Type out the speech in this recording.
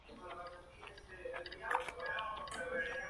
Es conocido por haber sido fundador del Instituto Nacional del Cáncer.